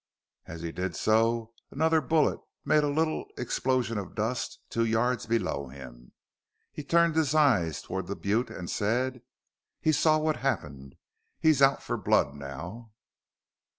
As he did so, another bullet made a little explosion of dust two yards below him. He turned his eyes toward the butte and said, "He saw what happened. He's out for blood now."